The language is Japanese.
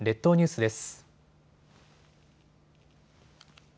列島ニュースです。